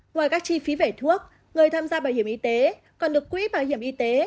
ngoài các chi phí vẻ thuốc người tham gia bảo hiểm y tế còn được quỹ bảo hiểm y tế